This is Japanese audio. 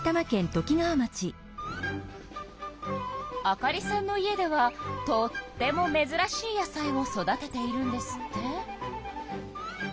あかりさんの家ではとってもめずらしい野菜を育てているんですって。